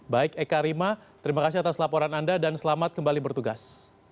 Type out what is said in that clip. baik eka rima terima kasih atas laporan anda dan selamat kembali bertugas